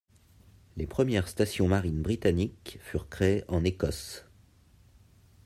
Les premières stations marines britanniques furent créées en Écosse.